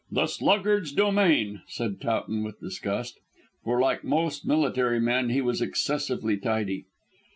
"The sluggard's domain," said Towton with disgust, for, like most military men, he was excessively tidy.